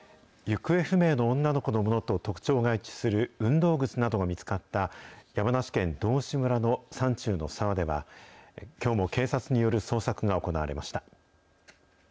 行方不明の女の子のものと特徴が一致する運動靴などが見つかった、山梨県道志村の山中の沢では、きょうも警察による捜索が行われました。